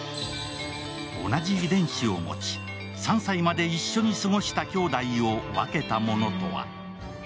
同じ遺伝子を持ち、３歳まで一緒に過ごした兄弟を分けたものとは？